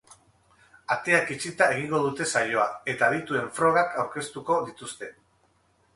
Ateak itxita egingo dute saioa, eta adituen frogak aurkeztuko dituzte.